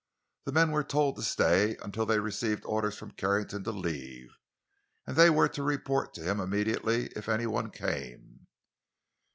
The men were told to stay until they received orders from Carrington to leave. And they were to report to him immediately if anyone came.